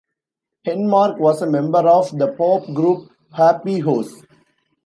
Henemark was a member of the pop group Happy Hoes.